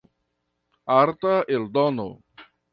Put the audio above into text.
Arta eldono.